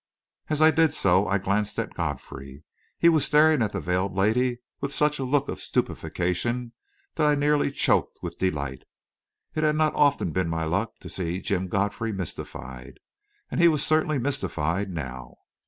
As I did so, I glanced at Godfrey. He was staring at the veiled lady with such a look of stupefaction that I nearly choked with delight. It had not often been my luck to see Jim Godfrey mystified, but he was certainly mystified now!